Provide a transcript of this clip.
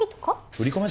振り込め